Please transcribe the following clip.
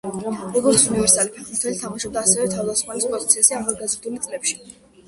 როგორც უნივერსალი ფეხბურთელი, თამაშობდა ასევე თავდამსხმელის პოზიციაზე ახალგაზრდულ წლებში.